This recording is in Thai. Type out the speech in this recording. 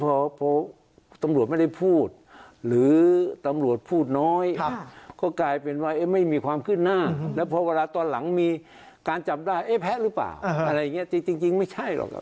พอตำรวจไม่ได้พูดหรือตำรวจพูดน้อยก็กลายเป็นว่าไม่มีความขึ้นหน้าแล้วพอเวลาตอนหลังมีการจับได้เอ๊ะแพ้หรือเปล่าอะไรอย่างนี้จริงไม่ใช่หรอก